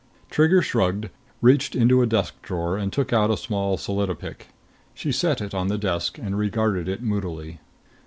Trigger shrugged, reached into a desk drawer and took out a small solidopic. She set it on the desk and regarded it moodily.